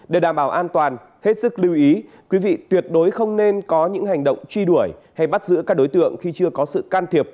để đảm bảo an toàn hết sức lưu ý quý vị tuyệt đối không nên có những hành động truy đuổi hay bắt giữ các đối tượng khi chưa có sự can thiệp